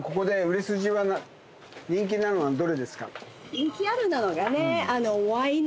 人気あるのがね。